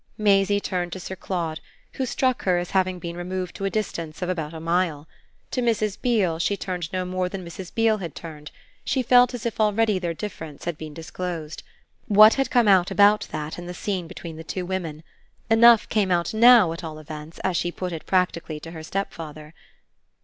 Maisie turned to Sir Claude, who struck her as having been removed to a distance of about a mile. To Mrs. Beale she turned no more than Mrs. Beale had turned: she felt as if already their difference had been disclosed. What had come out about that in the scene between the two women? Enough came out now, at all events, as she put it practically to her stepfather.